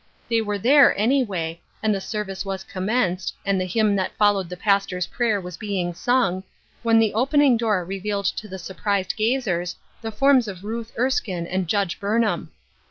They were t^^ere anyway, and the service was commenced, and the hymn that followed the pastor's prayer was being sung, when the opening door revealed to the surprised gazers the forms of Ruth Erskine and Judge Burnham